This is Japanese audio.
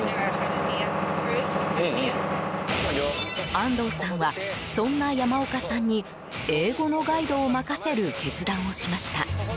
安藤さんは、そんな山岡さんに英語のガイドを任せる決断をしました。